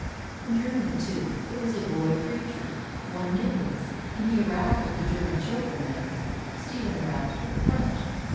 Li Germany, too, there was a boy preacher, one Nicholas; and he aroused the German children as Stephen aroused the French.